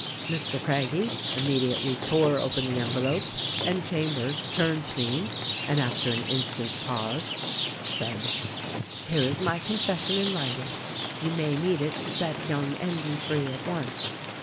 "Mr. Craggie immediately tore open the envelope and Chambers turned to me and after an instant's pause said, 'Here is my confession in writing. You may need it to set young Endy free at once.